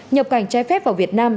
nhập cảnh trái phép vào việt nam